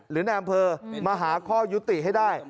หรือแน่มเพอมาหาข้อยุติให้ได้